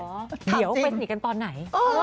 เดี๋ยวไปสนิทกันตอนไหน